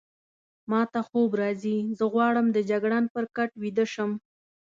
ما ته خوب راځي، زه غواړم د جګړن پر کټ ویده شم.